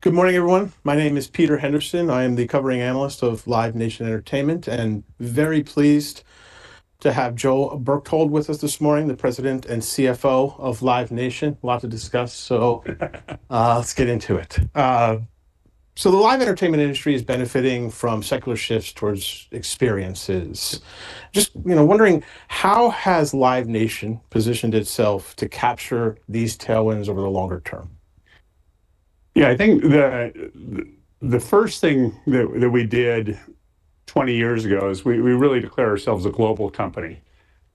Good morning, everyone. My name is Peter Henderson. I am the covering analyst of Live Nation Entertainment, and I'm very pleased to have Joe Berchtold with us this morning, the president and CFO of Live Nation. A lot to discuss, so let's get into it. So the live entertainment industry is benefiting from secular shifts towards experiences. Just, you know, wondering, how has Live Nation positioned itself to capture these tailwinds over the longer term? Yeah, I think the first thing that we did 20 years ago is we really declared ourselves a global company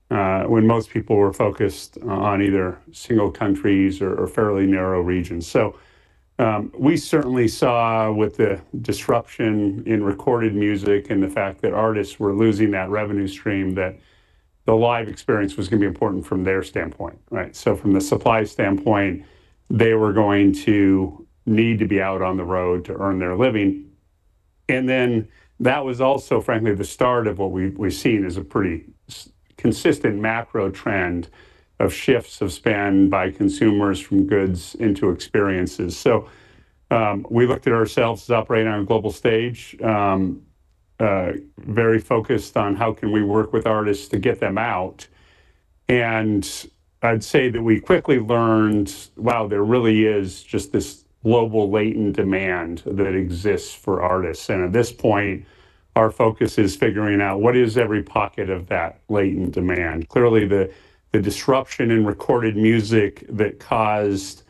when most people were focused on either single countries or fairly narrow regions. So we certainly saw, with the disruption in recorded music and the fact that artists were losing that revenue stream, that the live experience was going to be important from their standpoint, right? So from the supply standpoint, they were going to need to be out on the road to earn their living. And then that was also, frankly, the start of what we've seen as a pretty consistent macro trend of shifts of spend by consumers from goods into experiences. So we looked at ourselves as operating on a global stage, very focused on how can we work with artists to get them out. I'd say that we quickly learned, wow, there really is just this global latent demand that exists for artists. At this point, our focus is figuring out what is every pocket of that latent demand. Clearly, the disruption in recorded music that caused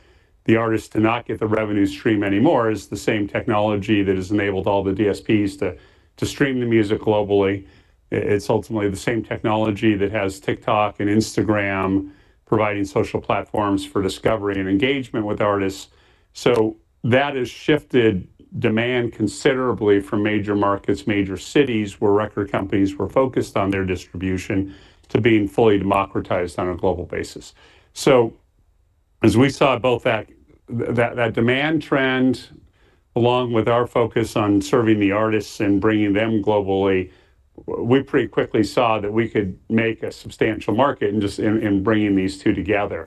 the artists to not get the revenue stream anymore is the same technology that has enabled all the DSPs to stream the music globally. It's ultimately the same technology that has TikTok and Instagram providing social platforms for discovery and engagement with artists. That has shifted demand considerably from major markets, major cities where record companies were focused on their distribution, to being fully democratized on a global basis. So as we saw both that demand trend, along with our focus on serving the artists and bringing them globally, we pretty quickly saw that we could make a substantial market in just bringing these two together.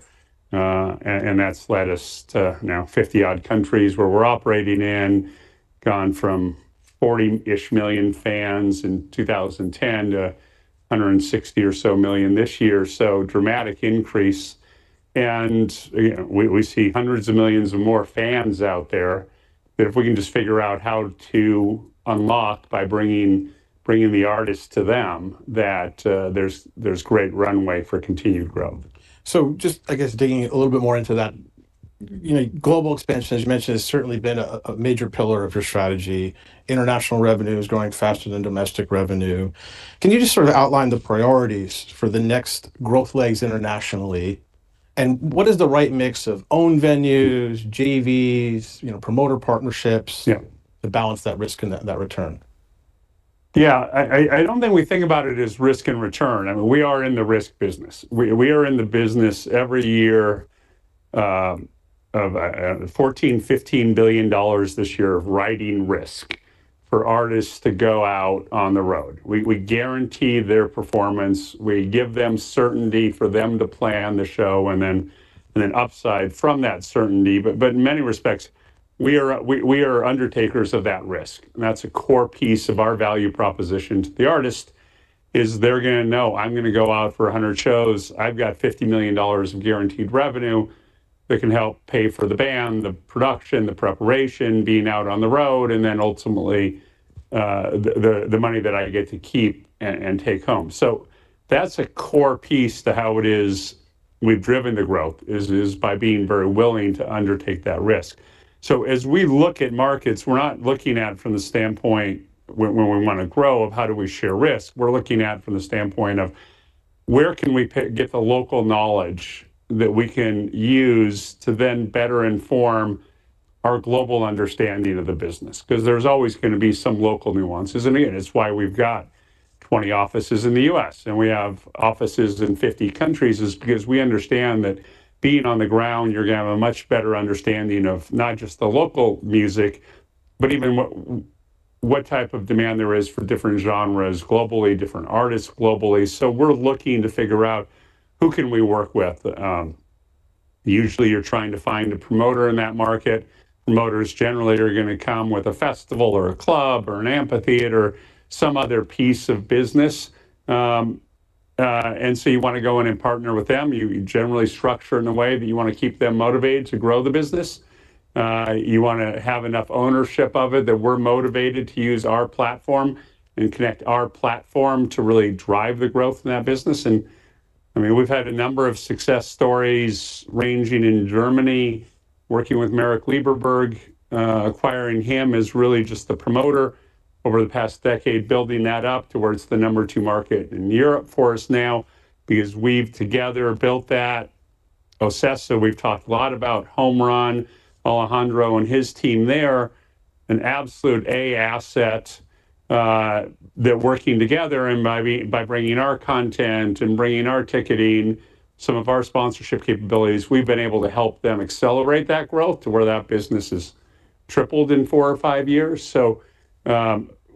And that's led us to now 50-odd countries where we're operating in, gone from 40-ish million fans in 2010 to 160 or so million this year. So dramatic increase. And we see hundreds of millions of more fans out there that if we can just figure out how to unlock by bringing the artists to them, that there's great runway for continued growth. Just, I guess, digging a little bit more into that, global expansion, as you mentioned, has certainly been a major pillar of your strategy. International revenue is growing faster than domestic revenue. Can you just sort of outline the priorities for the next growth legs internationally, and what is the right mix of owned venues, JVs, promoter partnerships to balance that risk and that return? Yeah, I don't think we think about it as risk and return. I mean, we are in the risk business. We are in the business every year of $14-$15 billion this year of writing risk for artists to go out on the road. We guarantee their performance. We give them certainty for them to plan the show and then upside from that certainty. But in many respects, we are undertakers of that risk. And that's a core piece of our value proposition to the artist is they're going to know, I'm going to go out for 100 shows. I've got $50 million of guaranteed revenue that can help pay for the band, the production, the preparation, being out on the road, and then ultimately the money that I get to keep and take home. So that's a core piece to how it is we've driven the growth is by being very willing to undertake that risk. So as we look at markets, we're not looking at from the standpoint when we want to grow of how do we share risk. We're looking at from the standpoint of where can we get the local knowledge that we can use to then better inform our global understanding of the business? Because there's always going to be some local nuances. And again, it's why we've got 20 offices in the U.S. and we have offices in 50 countries is because we understand that being on the ground, you're going to have a much better understanding of not just the local music, but even what type of demand there is for different genres globally, different artists globally. So we're looking to figure out who can we work with. Usually, you're trying to find a promoter in that market. Promoters generally are going to come with a festival or a club or an amphitheater, some other piece of business. And so you want to go in and partner with them. You generally structure in a way that you want to keep them motivated to grow the business. You want to have enough ownership of it that we're motivated to use our platform and connect our platform to really drive the growth in that business. And I mean, we've had a number of success stories ranging in Germany, working with Marek Lieberberg, acquiring him as really just the promoter over the past decade, building that up to where it's the number two market in Europe for us now because we've together built that OCESA. So we've talked a lot about Soberón, Alejandro and his team there, an absolute A asset. That working together and by bringing our content and bringing our ticketing, some of our sponsorship capabilities, we've been able to help them accelerate that growth to where that business has tripled in four or five years. So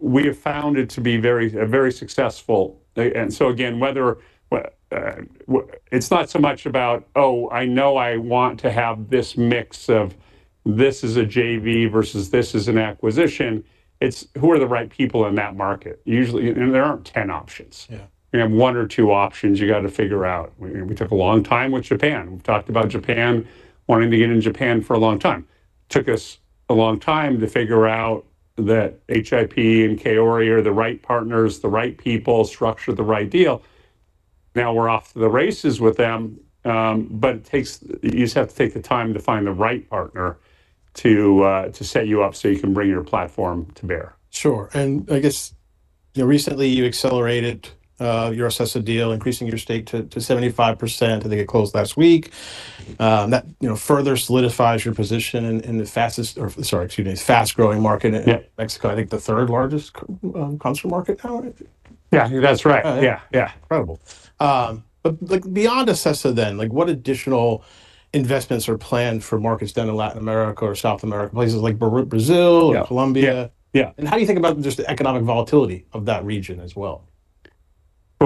we have found it to be a very successful. Again, whether it's not so much about, oh, I know I want to have this mix of this is a JV versus this is an acquisition. It's who are the right people in that market? Usually, there aren't 10 options. You have one or two options you got to figure out. We took a long time with Japan. We've talked about Japan wanting to get in Japan for a long time. Took us a long time to figure out that HIP and Kaori are the right partners, the right people, structure the right deal. Now we're off to the races with them. But you just have to take the time to find the right partner to set you up so you can bring your platform to bear. Sure. And I guess recently you accelerated your OCESA deal, increasing your stake to 75%. I think it closed last week. That further solidifies your position in the fastest, or sorry, excuse me, fast-growing market in Mexico, I think the third largest concert market now. Yeah, I think that's right. Yeah, yeah. Incredible. But beyond OCESA, then what additional investments are planned for markets down in Latin America or South America, places like Brazil or Colombia? And how do you think about just the economic volatility of that region as well?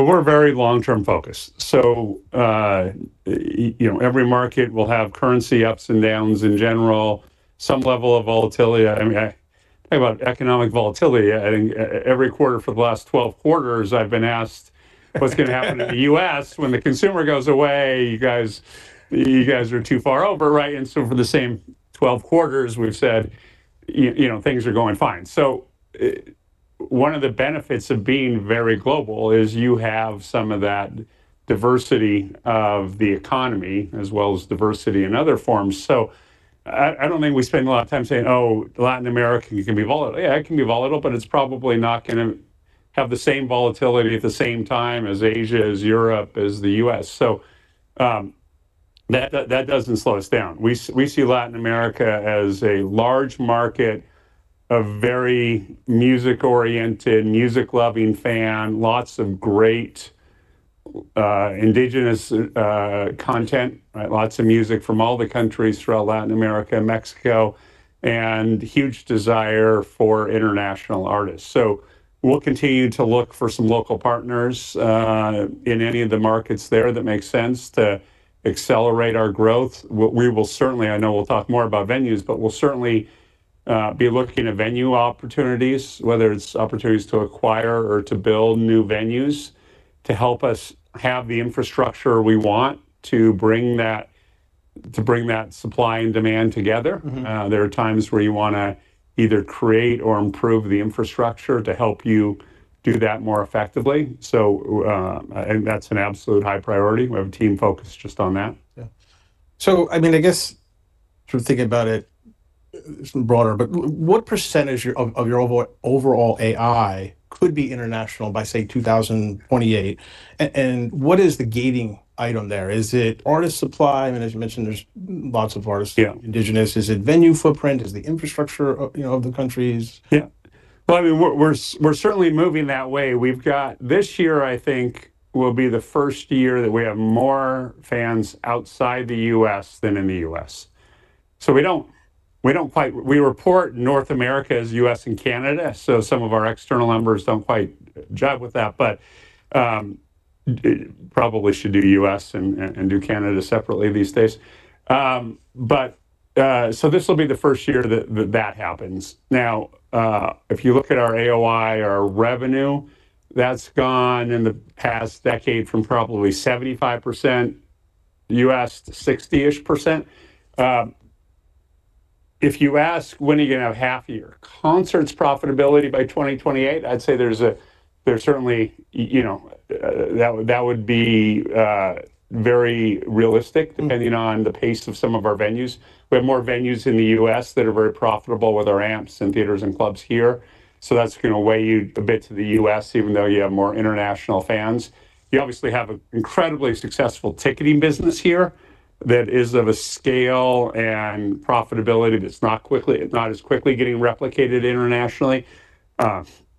We're very long-term focused. So every market will have currency ups and downs in general, some level of volatility. I mean, I talk about economic volatility. I think every quarter for the last 12 quarters, I've been asked what's going to happen in the U.S. when the consumer goes away. You guys are too far over, right? And so for the same 12 quarters, we've said things are going fine. So one of the benefits of being very global is you have some of that diversity of the economy as well as diversity in other forms. So I don't think we spend a lot of time saying, oh, Latin America can be volatile. Yeah, it can be volatile, but it's probably not going to have the same volatility at the same time as Asia, as Europe, as the U.S. So that doesn't slow us down. We see Latin America as a large market of very music-oriented, music-loving fan, lots of great indigenous content, lots of music from all the countries throughout Latin America, Mexico, and huge desire for international artists. So we'll continue to look for some local partners in any of the markets there that make sense to accelerate our growth. We will certainly, I know we'll talk more about venues, but we'll certainly be looking at venue opportunities, whether it's opportunities to acquire or to build new venues to help us have the infrastructure we want to bring that supply and demand together. There are times where you want to either create or improve the infrastructure to help you do that more effectively. So that's an absolute high priority. We have a team focused just on that. Yeah. So I mean, I guess sort of thinking about it broader, but what percentage of your overall AOI could be international by, say, 2028? And what is the gating item there? Is it artist supply? I mean, as you mentioned, there's lots of artists, indigenous. Is it venue footprint? Is it the infrastructure of the countries? Yeah. Well, I mean, we're certainly moving that way. This year, I think, will be the first year that we have more fans outside the U.S. than in the U.S. So we don't quite report North America as U.S. and Canada. So some of our external numbers don't quite jive with that, but probably should do U.S. and do Canada separately these days. But so this will be the first year that that happens. Now, if you look at our AOI, our revenue, that's gone in the past decade from probably 75% U.S. 60-ish%. If you ask, when are you going to have half-year concerts profitability by 2028? I'd say there's certainly, that would be very realistic depending on the pace of some of our venues. We have more venues in the U.S. that are very profitable with our amps and theaters and clubs here. So that's going to weigh you a bit to the U.S., even though you have more international fans. You obviously have an incredibly successful ticketing business here that is of a scale and profitability that's not as quickly getting replicated internationally.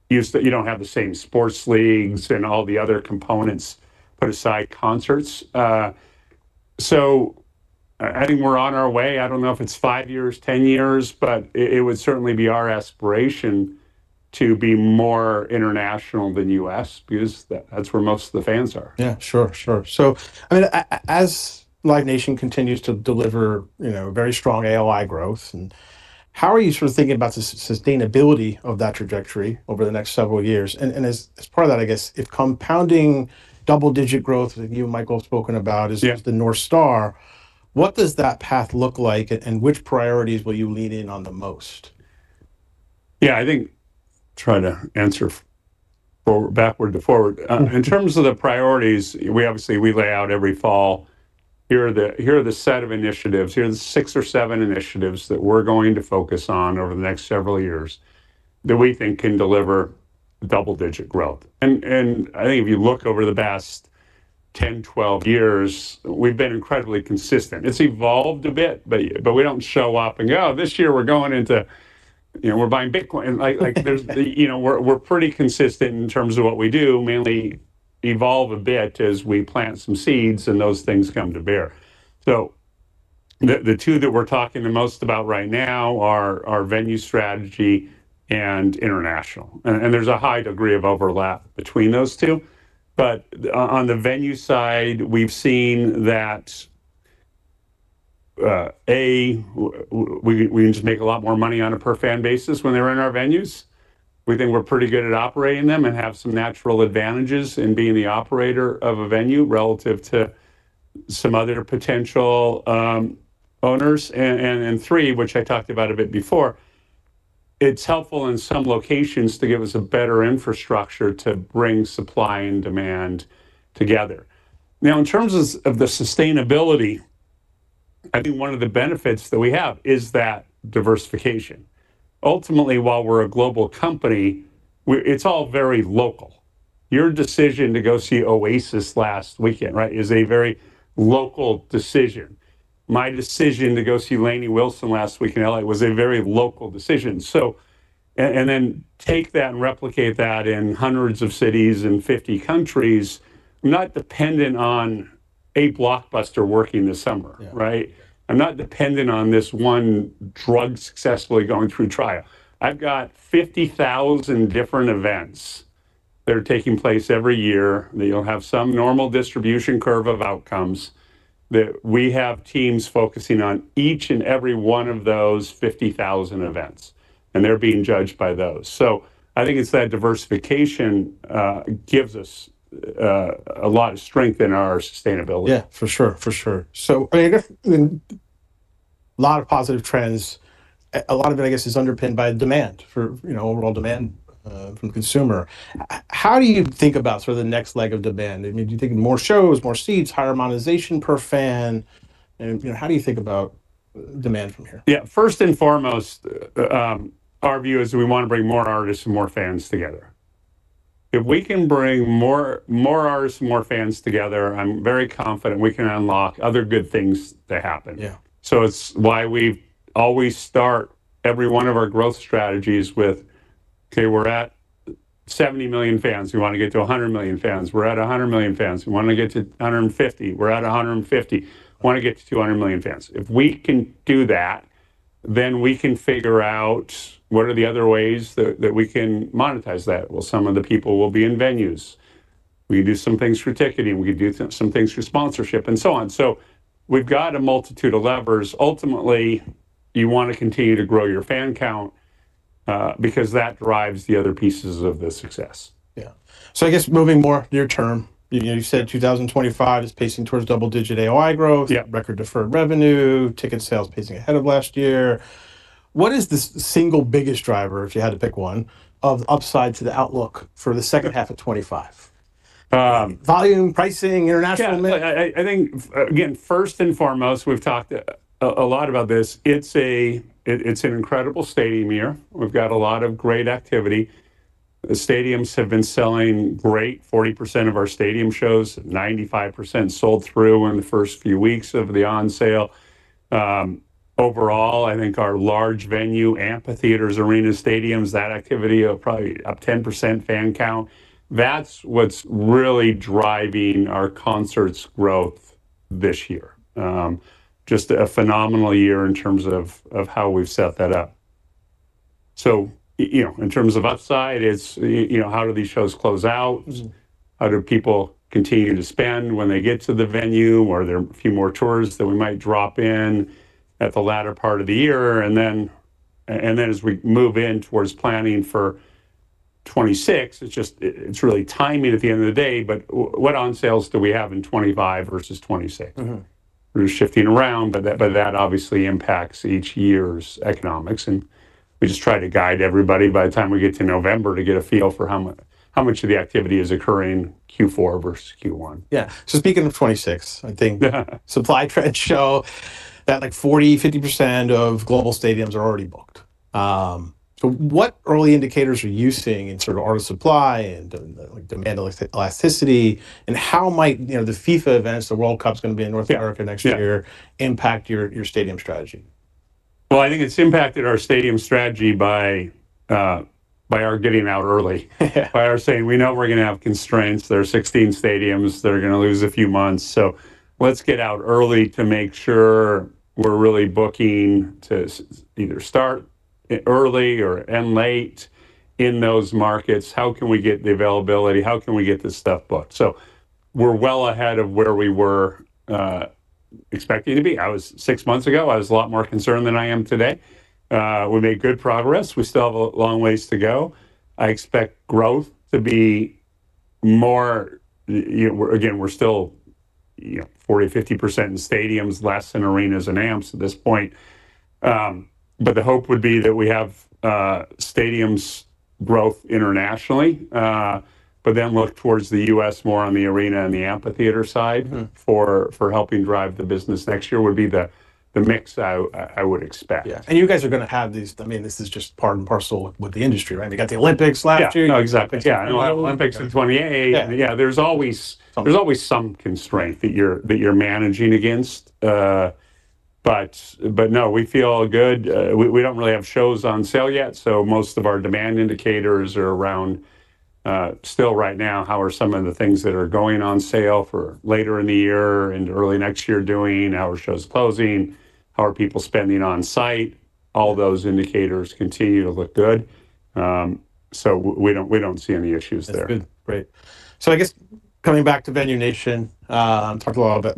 You don't have the same sports leagues and all the other components put aside concerts. So I think we're on our way. I don't know if it's five years, 10 years, but it would certainly be our aspiration to be more international than U.S. because that's where most of the fans are. Yeah, sure, sure. So I mean, as Live Nation continues to deliver very strong AOI growth, how are you sort of thinking about the sustainability of that trajectory over the next several years? And as part of that, I guess, if compounding double-digit growth that you and Michael have spoken about is the North Star, what does that path look like and which priorities will you lean in on the most? Yeah, I think, trying to answer backward to forward. In terms of the priorities, we obviously lay out every fall. Here are the set of initiatives. Here are the six or seven initiatives that we're going to focus on over the next several years that we think can deliver double-digit growth, and I think if you look over the past 10, 12 years, we've been incredibly consistent. It's evolved a bit, but we don't show up and go, "Oh, this year we're going into, we're buying Bitcoin." We're pretty consistent in terms of what we do, mainly evolve a bit as we plant some seeds and those things come to bear. The two that we're talking the most about right now are our venue strategy and international, and there's a high degree of overlap between those two. But on the venue side, we've seen that, A, we can just make a lot more money on a per-fan basis when they're in our venues. We think we're pretty good at operating them and have some natural advantages in being the operator of a venue relative to some other potential owners. And three, which I talked about a bit before, it's helpful in some locations to give us a better infrastructure to bring supply and demand together. Now, in terms of the sustainability, I think one of the benefits that we have is that diversification. Ultimately, while we're a global company, it's all very local. Your decision to go see Oasis last weekend, right, is a very local decision. My decision to go see Lainey Wilson last week in LA was a very local decision. And then take that and replicate that in hundreds of cities in 50 countries. I'm not dependent on a blockbuster working this summer, right? I'm not dependent on this one drug successfully going through trial. I've got 50,000 different events that are taking place every year. You'll have some normal distribution curve of outcomes that we have teams focusing on each and every one of those 50,000 events, and they're being judged by those, so I think it's that diversification gives us a lot of strength in our sustainability. Yeah, for sure, for sure. So I mean, I guess a lot of positive trends, a lot of it, I guess, is underpinned by demand, overall demand from the consumer. How do you think about sort of the next leg of demand? I mean, do you think more shows, more seats, higher monetization per fan? How do you think about demand from here? Yeah, first and foremost, our view is we want to bring more artists and more fans together. If we can bring more artists and more fans together, I'm very confident we can unlock other good things to happen. So it's why we always start every one of our growth strategies with, okay, we're at 70 million fans. We want to get to 100 million fans. We're at 100 million fans. We want to get to 150. We're at 150. We want to get to 200 million fans. If we can do that, then we can figure out what are the other ways that we can monetize that. Well, some of the people will be in venues. We can do some things for ticketing. We can do some things for sponsorship and so on. So we've got a multitude of levers. Ultimately, you want to continue to grow your fan count because that drives the other pieces of the success. Yeah. So I guess moving more near term, you said 2025 is pacing towards double-digit AOI growth, record-deferred revenue, ticket sales pacing ahead of last year. What is the single biggest driver, if you had to pick one, of upside to the outlook for the second half of 2025? Volume, pricing, international? Yeah. I think, again, first and foremost, we've talked a lot about this. It's an incredible stadium year. We've got a lot of great activity. The stadiums have been selling great. 40% of our stadium shows, 95% sold through in the first few weeks of the on-sale. Overall, I think our large venue, amphitheaters, arenas, stadiums, that activity of probably up 10% fan count. That's what's really driving our concerts growth this year. Just a phenomenal year in terms of how we've set that up. So in terms of upside, it's how do these shows close out? How do people continue to spend when they get to the venue? Are there a few more tours that we might drop in at the latter part of the year? And then as we move in towards planning for 2026, it's really timing at the end of the day. But what on-sales do we have in 2025 versus 2026? We're shifting around, but that obviously impacts each year's economics. And we just try to guide everybody by the time we get to November to get a feel for how much of the activity is occurring Q4 versus Q1. Yeah. So speaking of 2026, I think supply trends show that like 40%-50% of global stadiums are already booked. So what early indicators are you seeing in sort of artist supply and demand elasticity? And how might the FIFA events, the World Cup's going to be in North America next year, impact your stadium strategy? I think it's impacted our stadium strategy by our getting out early, by our saying, "We know we're going to have constraints. There are 16 stadiums. They're going to lose a few months. So let's get out early to make sure we're really booking to either start early or end late in those markets. How can we get the availability? How can we get this stuff booked?" So we're well ahead of where we were expecting to be. Six months ago, I was a lot more concerned than I am today. We made good progress. We still have a long ways to go. I expect growth to be more. Again, we're still 40%-50% in stadiums, less in arenas and amps at this point. But the hope would be that we have stadiums growth internationally, but then look towards the U.S. more on the arena and the amphitheater side for helping drive the business next year would be the mix I would expect. Yeah. And you guys are going to have these, I mean, this is just part and parcel with the industry, right? You got the Olympics last year. Yeah, no, exactly. Yeah. Olympics in 2028. Yeah, there's always some constraint that you're managing against. But no, we feel good. We don't really have shows on sale yet. So most of our demand indicators are around still right now, how are some of the things that are going on sale for later in the year and early next year doing, how are shows closing, how are people spending on site? All those indicators continue to look good. So we don't see any issues there. That's good. Great. So I guess coming back to Venue Nation, talked a little bit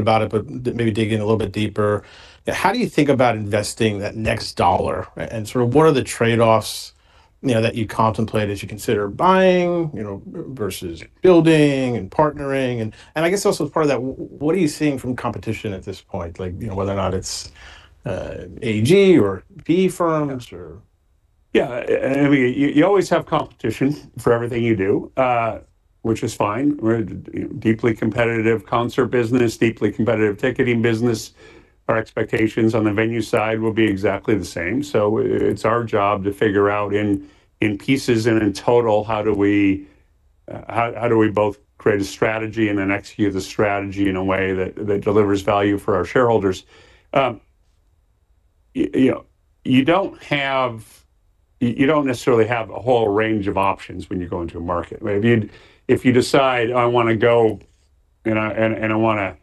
about it, but maybe digging a little bit deeper. How do you think about investing that next dollar? And sort of what are the trade-offs that you contemplate as you consider buying versus building and partnering? And I guess also as part of that, what are you seeing from competition at this point? Whether or not it's AEG or PE firms or? Yeah. I mean, you always have competition for everything you do, which is fine. Deeply competitive concert business, deeply competitive ticketing business. Our expectations on the venue side will be exactly the same. So it's our job to figure out in pieces and in total, how do we both create a strategy and then execute the strategy in a way that delivers value for our shareholders? You don't necessarily have a whole range of options when you go into a market. If you decide, "I want to go and I want to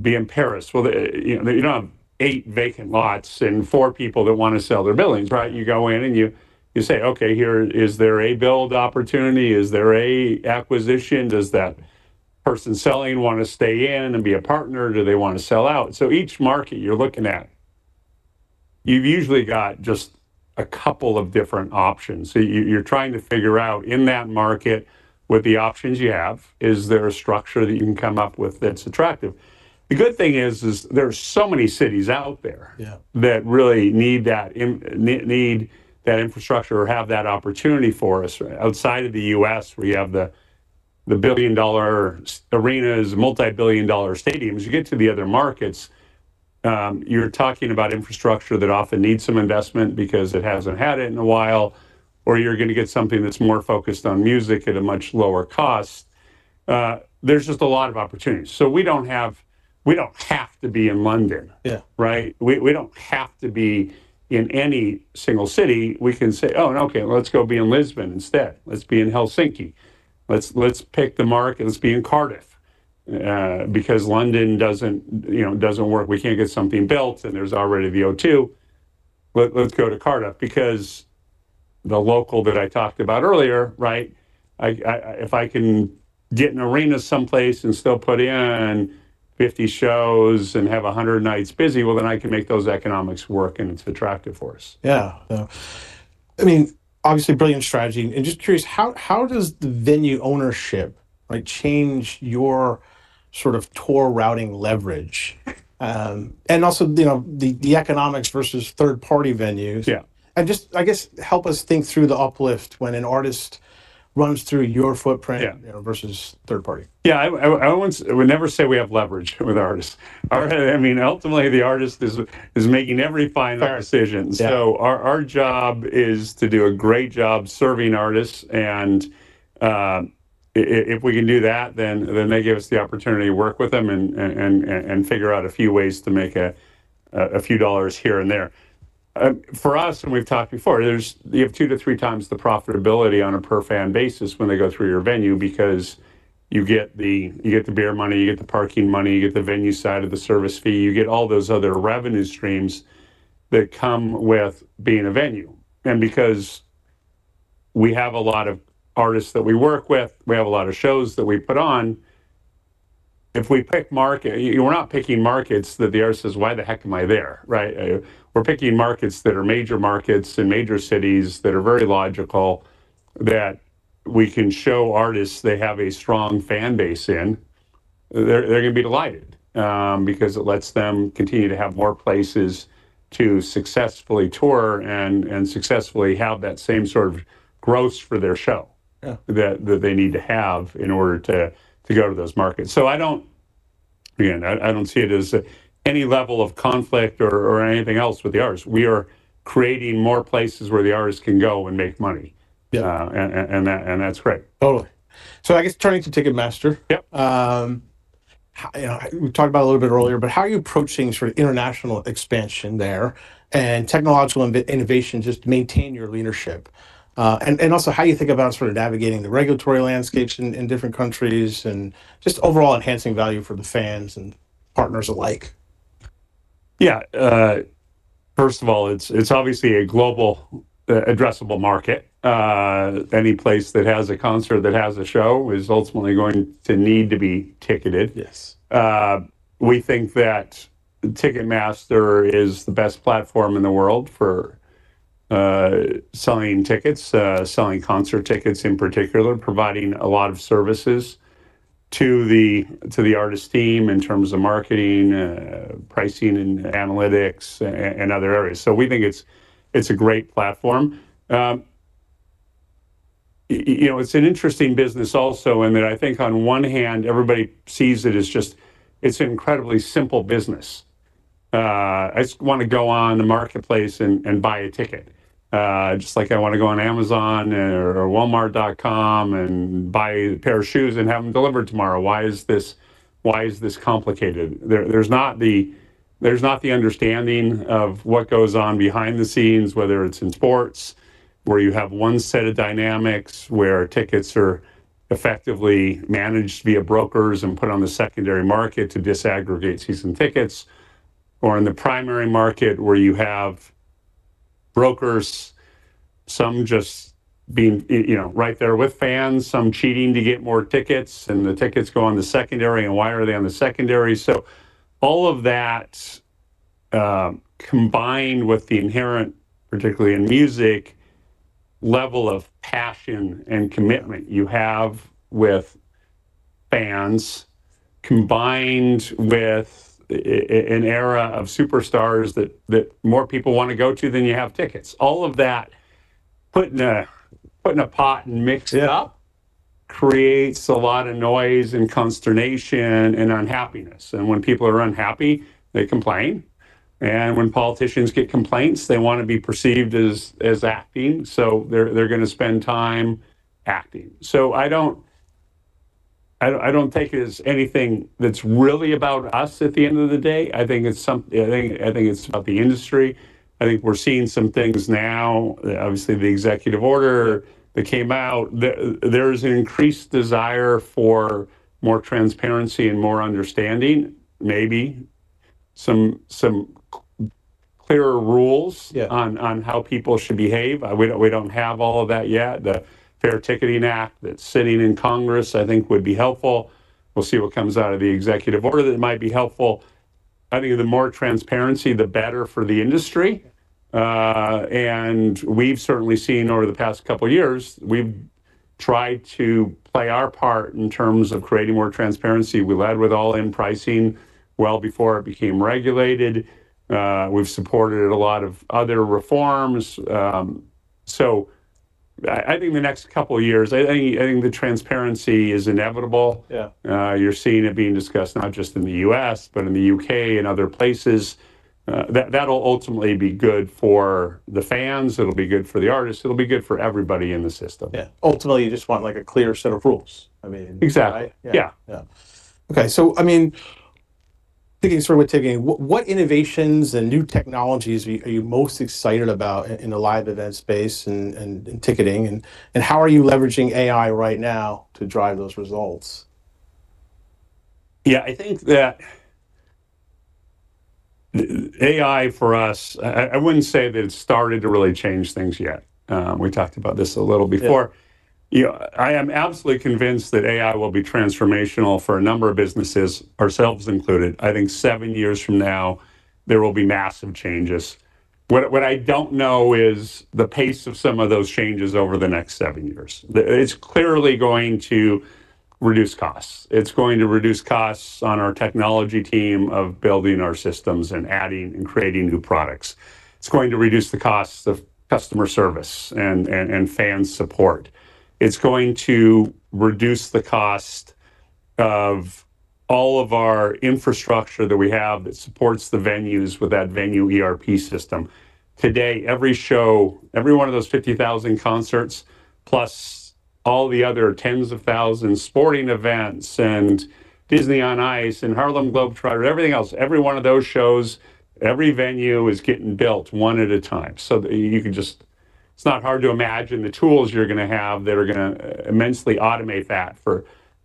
be in Paris," well, you don't have eight vacant lots and four people that want to sell their buildings, right? You go in and you say, "Okay, here, is there a build opportunity? Is there an acquisition? Does that person selling want to stay in and be a partner? Do they want to sell out?" So each market you're looking at, you've usually got just a couple of different options. So you're trying to figure out in that market with the options you have, is there a structure that you can come up with that's attractive? The good thing is there's so many cities out there that really need that infrastructure or have that opportunity for us outside of the U.S. where you have the billion-dollar arenas, multi-billion-dollar stadiums. You get to the other markets, you're talking about infrastructure that often needs some investment because it hasn't had it in a while, or you're going to get something that's more focused on music at a much lower cost. There's just a lot of opportunities. So we don't have to be in London, right? We don't have to be in any single city. We can say, "Oh, okay, let's go be in Lisbon instead. Let's be in Helsinki. Let's pick the market. Let's be in Cardiff because London doesn't work. We can't get something built and there's already the O2. Let's go to Cardiff because the local that I talked about earlier, right? If I can get an arena someplace and still put in 50 shows and have 100 nights busy, well, then I can make those economics work and it's attractive for us. Yeah. I mean, obviously brilliant strategy. And just curious, how does the venue ownership change your sort of tour routing leverage? And also the economics versus third-party venues. And just, I guess, help us think through the uplift when an artist runs through your footprint versus third-party. Yeah. I would never say we have leverage with artists. I mean, ultimately, the artist is making every final decision. So our job is to do a great job serving artists. And if we can do that, then they give us the opportunity to work with them and figure out a few ways to make a few dollars here and there. For us, and we've talked before, you have two to three times the profitability on a per-fan basis when they go through your venue because you get the beer money, you get the parking money, you get the venue side of the service fee, you get all those other revenue streams that come with being a venue. And because we have a lot of artists that we work with, we have a lot of shows that we put on, if we pick market, we're not picking markets that the artist says, "Why the heck am I there?" Right? We're picking markets that are major markets in major cities that are very logical that we can show artists they have a strong fan base in. They're going to be delighted because it lets them continue to have more places to successfully tour and successfully have that same sort of growth for their show that they need to have in order to go to those markets. So again, I don't see it as any level of conflict or anything else with the artists. We are creating more places where the artists can go and make money. And that's great. Totally. So, I guess turning to Ticketmaster, we talked about a little bit earlier, but how are you approaching sort of international expansion there and technological innovation just to maintain your leadership? And also how do you think about sort of navigating the regulatory landscapes in different countries and just overall enhancing value for the fans and partners alike? Yeah. First of all, it's obviously a global addressable market. Any place that has a concert that has a show is ultimately going to need to be ticketed. We think that Ticketmaster is the best platform in the world for selling tickets, selling concert tickets in particular, providing a lot of services to the artist team in terms of marketing, pricing, and analytics and other areas. So we think it's a great platform. It's an interesting business also in that I think on one hand, everybody sees it as just it's an incredibly simple business. I just want to go on the marketplace and buy a ticket. Just like I want to go on Amazon or Walmart.com and buy a pair of shoes and have them delivered tomorrow. Why is this complicated? There's not the understanding of what goes on behind the scenes, whether it's in sports, where you have one set of dynamics where tickets are effectively managed via brokers and put on the secondary market to disaggregate season tickets, or in the primary market where you have brokers, some just being right there with fans, some cheating to get more tickets, and the tickets go on the secondary, and why are they on the secondary? So all of that combined with the inherent, particularly in music, level of passion and commitment you have with fans combined with an era of superstars that more people want to go to than you have tickets. All of that, put it in a pot and mix it up, creates a lot of noise and consternation and unhappiness. And when people are unhappy, they complain. And when politicians get complaints, they want to be perceived as acting. So they're going to spend time acting. So I don't take it as anything that's really about us at the end of the day. I think it's about the industry. I think we're seeing some things now. Obviously, the executive order that came out. There is an increased desire for more transparency and more understanding, maybe some clearer rules on how people should behave. We don't have all of that yet. The Fair Ticketing Act that's sitting in Congress, I think, would be helpful. We'll see what comes out of the executive order that might be helpful. I think the more transparency, the better for the industry. And we've certainly seen over the past couple of years, we've tried to play our part in terms of creating more transparency. We led with all-in pricing well before it became regulated. We've supported a lot of other reforms. I think the next couple of years, I think the transparency is inevitable. You're seeing it being discussed not just in the U.S., but in the U.K. and other places. That'll ultimately be good for the fans. It'll be good for the artists. It'll be good for everybody in the system. Yeah. Ultimately, you just want a clear set of rules. I mean. Exactly. Yeah. Okay, so I mean, thinking sort of with ticketing, what innovations and new technologies are you most excited about in the live event space and ticketing? And how are you leveraging AI right now to drive those results? Yeah. I think that AI for us, I wouldn't say that it started to really change things yet. We talked about this a little before. I am absolutely convinced that AI will be transformational for a number of businesses, ourselves included. I think seven years from now, there will be massive changes. What I don't know is the pace of some of those changes over the next seven years. It's clearly going to reduce costs. It's going to reduce costs on our technology team of building our systems and adding and creating new products. It's going to reduce the costs of customer service and fan support. It's going to reduce the cost of all of our infrastructure that we have that supports the venues with that venue ERP system. Today, every show, every one of those 50,000 concerts, plus all the other tens of thousands sporting events and Disney on Ice and Harlem Globetrotters, everything else, every one of those shows, every venue is getting built one at a time, so you can just, it's not hard to imagine the tools you're going to have that are going to immensely automate that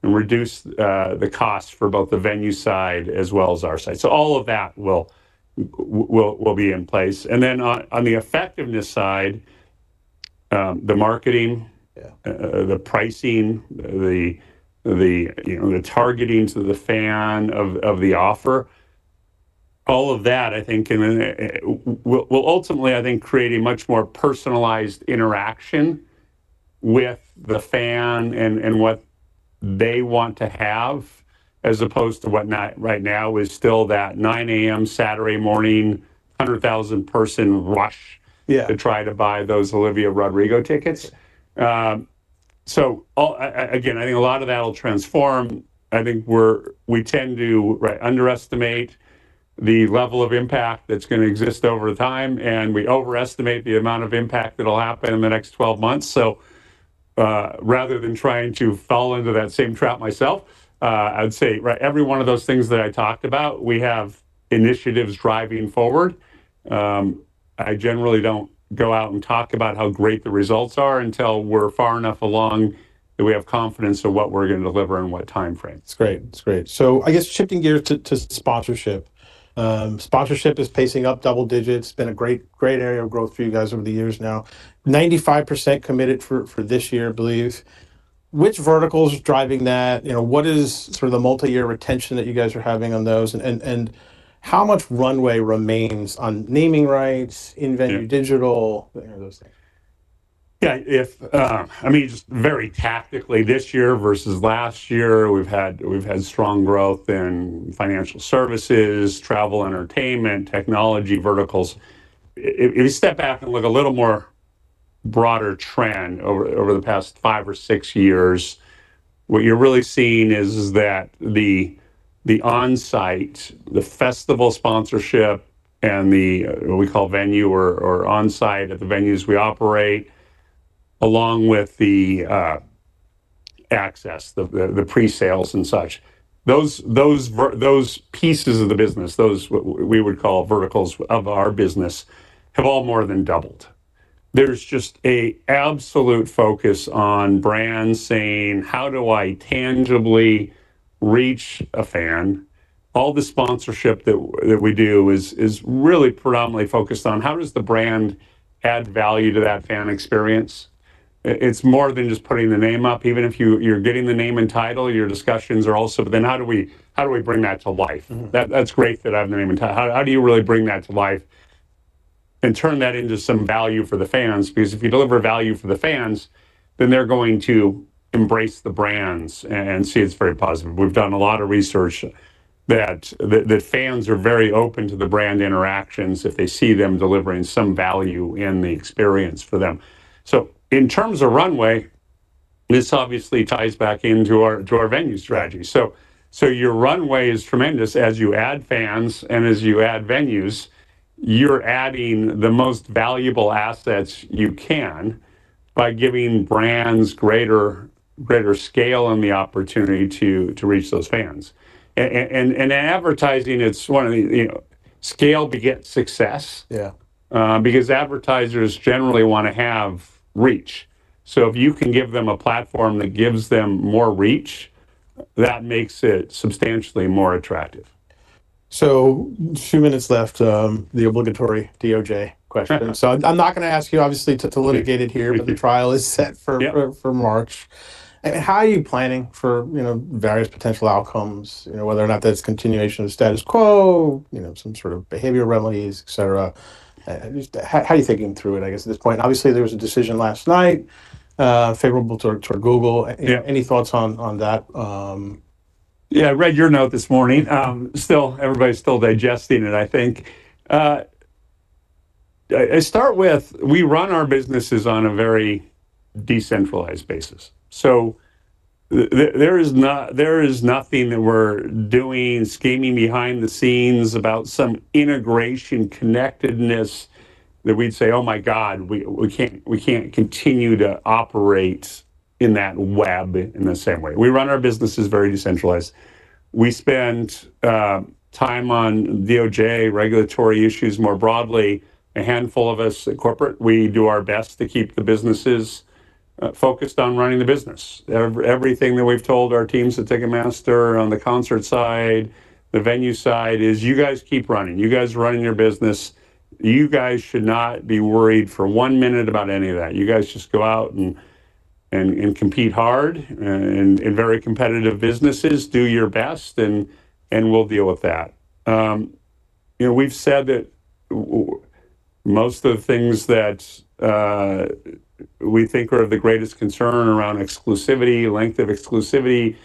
and reduce the cost for both the venue side as well as our side, so all of that will be in place, and then on the effectiveness side, the marketing, the pricing, the targeting to the fan of the offer, all of that, I think, will ultimately, I think, create a much more personalized interaction with the fan and what they want to have as opposed to what right now is still that 9:00 A.M. Saturday morning, 100,000-person rush to try to buy those Olivia Rodrigo tickets. So again, I think a lot of that will transform. I think we tend to underestimate the level of impact that's going to exist over time, and we overestimate the amount of impact that will happen in the next 12 months. So rather than trying to fall into that same trap myself, I would say every one of those things that I talked about, we have initiatives driving forward. I generally don't go out and talk about how great the results are until we're far enough along that we have confidence in what we're going to deliver and what time frame. That's great. That's great. So I guess shifting gears to sponsorship. Sponsorship is pacing up double digits. It's been a great area of growth for you guys over the years now. 95% committed for this year, I believe. Which verticals are driving that? What is sort of the multi-year retention that you guys are having on those? And how much runway remains on naming rights, in-venue digital, those things? Yeah. I mean, just very tactically this year versus last year, we've had strong growth in financial services, travel, entertainment, technology verticals. If you step back and look a little more broader trend over the past five or six years, what you're really seeing is that the on-site, the festival sponsorship, and what we call venue or on-site at the venues we operate, along with the access, the pre-sales and such, those pieces of the business, those we would call verticals of our business, have all more than doubled. There's just an absolute focus on brands saying, "How do I tangibly reach a fan?" All the sponsorship that we do is really predominantly focused on how does the brand add value to that fan experience. It's more than just putting the name up. Even if you're getting the name and title, your discussions are also, but then how do we bring that to life? That's great that I have the name and title. How do you really bring that to life and turn that into some value for the fans? Because if you deliver value for the fans, then they're going to embrace the brands and see it's very positive. We've done a lot of research that fans are very open to the brand interactions if they see them delivering some value in the experience for them. So in terms of runway, this obviously ties back into our venue strategy. So your runway is tremendous as you add fans and as you add venues, you're adding the most valuable assets you can by giving brands greater scale and the opportunity to reach those fans. And in advertising, it's one of the scale begets success because advertisers generally want to have reach. So if you can give them a platform that gives them more reach, that makes it substantially more attractive. So a few minutes left, the obligatory DOJ question. So I'm not going to ask you, obviously, to litigate it here, but the trial is set for March. How are you planning for various potential outcomes, whether or not that's continuation of status quo, some sort of behavioral remedies, etc.? How are you thinking through it, I guess, at this point? Obviously, there was a decision last night favorable to Google. Any thoughts on that? Yeah. I read your note this morning. Still, everybody's still digesting it, I think. I start with, we run our businesses on a very decentralized basis. So there is nothing that we're doing, scheming behind the scenes about some integration connectedness that we'd say, "Oh my God, we can't continue to operate in that web in the same way." We run our businesses very decentralized. We spend time on DOJ, regulatory issues more broadly. A handful of us at corporate, we do our best to keep the businesses focused on running the business. Everything that we've told our teams at Ticketmaster on the concert side, the venue side is, "You guys keep running. You guys are running your business. You guys should not be worried for one minute about any of that. You guys just go out and compete hard in very competitive businesses. Do your best, and we'll deal with that." We've said that most of the things that we think are of the greatest concern around exclusivity, length of exclusivity,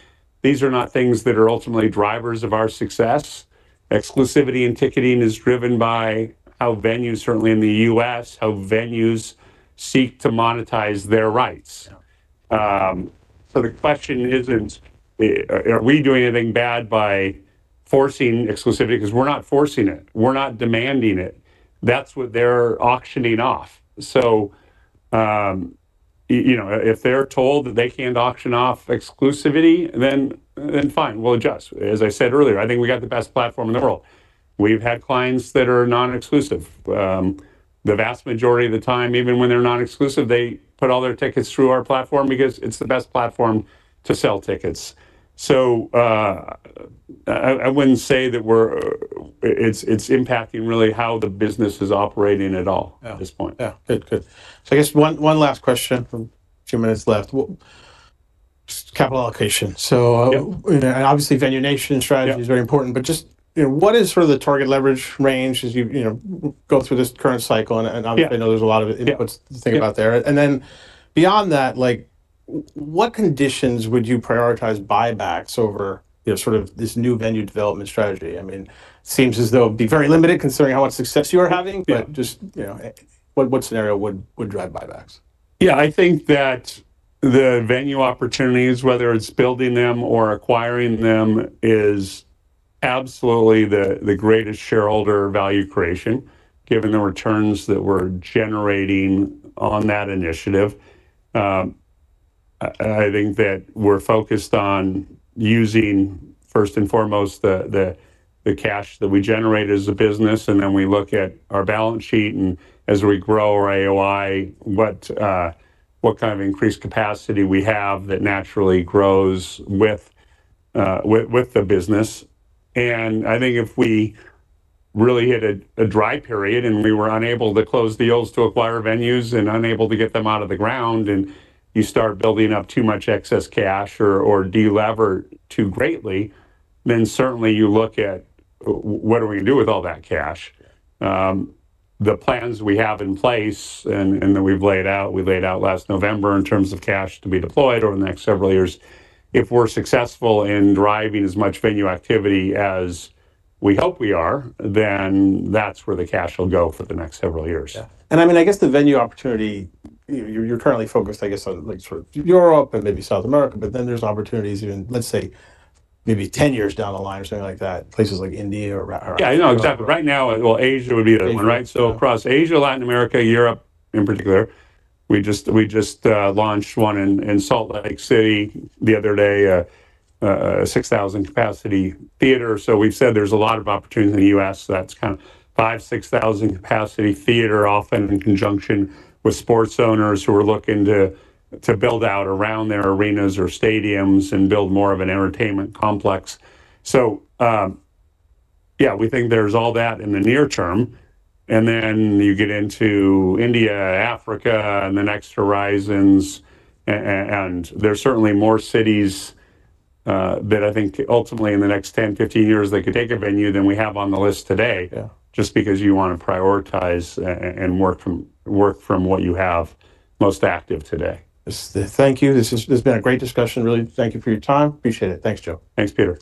these are not things that are ultimately drivers of our success. Exclusivity in ticketing is driven by how venues, certainly in the U.S., how venues seek to monetize their rights. So the question isn't, "Are we doing anything bad by forcing exclusivity?" Because we're not forcing it. We're not demanding it. That's what they're auctioning off. So if they're told that they can't auction off exclusivity, then fine, we'll adjust. As I said earlier, I think we got the best platform in the world. We've had clients that are non-exclusive. The vast majority of the time, even when they're non-exclusive, they put all their tickets through our platform because it's the best platform to sell tickets. So I wouldn't say that it's impacting really how the business is operating at all at this point. Yeah. Good. Good. So I guess one last question, a few minutes left. Capital allocation. So obviously, Venue Nation strategy is very important, but just what is sort of the target leverage range as you go through this current cycle? And obviously, I know there's a lot of inputs to think about there. And then beyond that, what conditions would you prioritize buybacks over sort of this new venue development strategy? I mean, it seems as though it'd be very limited considering how much success you are having, but just what scenario would drive buybacks? Yeah. I think that the venue opportunities, whether it's building them or acquiring them, is absolutely the greatest shareholder value creation, given the returns that we're generating on that initiative. I think that we're focused on using, first and foremost, the cash that we generate as a business, and then we look at our balance sheet and as we grow our AOI, what kind of increased capacity we have that naturally grows with the business, and I think if we really hit a dry period and we were unable to close deals to acquire venues and unable to get them out of the ground, and you start building up too much excess cash or delever too greatly, then certainly you look at what are we going to do with all that cash? The plans we have in place and that we've laid out, we laid out last November in terms of cash to be deployed over the next several years. If we're successful in driving as much venue activity as we hope we are, then that's where the cash will go for the next several years. Yeah. And I mean, I guess the venue opportunity, you're currently focused, I guess, on sort of Europe and maybe South America, but then there's opportunities even, let's say, maybe 10 years down the line or something like that, places like India or. Yeah. I know. Exactly. Right now, well, Asia would be the one, right? So across Asia, Latin America, Europe in particular, we just launched one in Salt Lake City the other day, a 6,000-capacity theater. So we've said there's a lot of opportunities in the U.S. That's kind of 5,000-6,000-capacity theater, often in conjunction with sports owners who are looking to build out around their arenas or stadiums and build more of an entertainment complex. So yeah, we think there's all that in the near term. And then you get into India, Africa, and the next horizons. And there's certainly more cities that I think ultimately in the next 10-15 years, they could take a venue than we have on the list today, just because you want to prioritize and work from what you have most active today. Thank you. This has been a great discussion, really. Thank you for your time. Appreciate it. Thanks, Joe. Thanks, Peter.